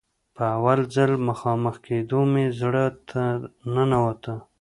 په اول ځل مخامخ کېدو مې زړه ته ننوته.